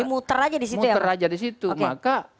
muter aja disitu maka